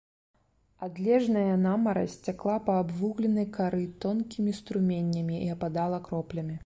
Адлежная намаразь цякла па абвугленай кары тонкімі струменямі і ападала кроплямі.